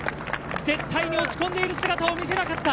絶対に落ち込んでいる姿を見せなかった。